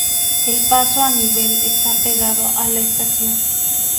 El paso a nivel está pegado a la estación.